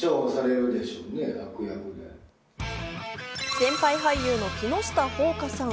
先輩俳優の木下ほうかさん。